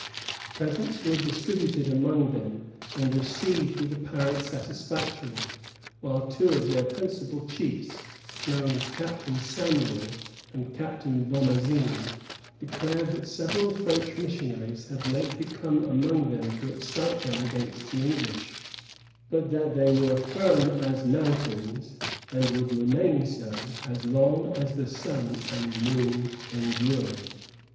Presents were distributed among them and received with apparent satisfaction, while two of their principal chiefs, known as Captain Samuel and Captain Bomazeen, declared that several French missionaries had lately come among them to excite them against the English, but that they were "firm as mountains," and would remain so "as long as the sun and moon endured."